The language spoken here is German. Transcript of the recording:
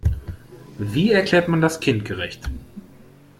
Wie erklärt man das kindgerecht?